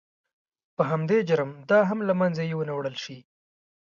په همدې جرم دا هم له منځه یو نه وړل شي.